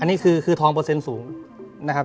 อันนี้คือทองเปอร์เซ็นต์สูงนะครับ